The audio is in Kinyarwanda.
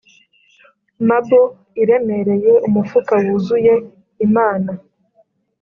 marble-iremereye, umufuka wuzuye imana,